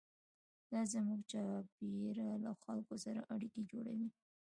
دا زموږ چارچاپېره له خلکو سره اړیکې جوړوي.